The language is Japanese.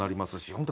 本当